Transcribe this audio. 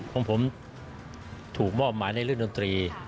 เพราะผมถูกบ้อมมาในเรื่องดนตรี